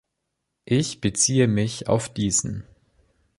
Ich beziehe mich auf diesen.